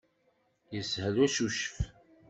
Yeshel ucucef.